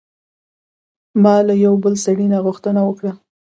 ما له یوه بل سړي نه غوښتنه وکړه.